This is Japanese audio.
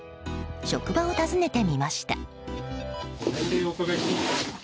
職場を訪ねてみました。